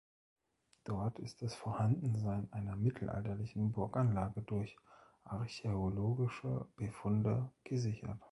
Dort ist das Vorhandensein einer mittelalterlichen Burganlage durch archäologische Befunde gesichert.